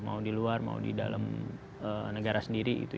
mau di luar mau di dalam negara sendiri gitu